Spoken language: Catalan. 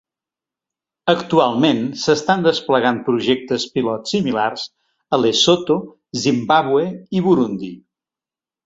Actualment s'estan desplegant projectes pilot similars a Lesotho, Zimbàbue i Burundi.